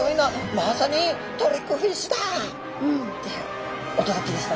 まさにトリックフィッシュだ！っていう驚きでしたね。